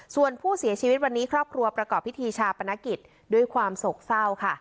ส่วนผู้เสียชีวิตวันนี้ครอบครัวประกอบพิธีชาปนกิจด้วยความโศกเศร้าค่ะ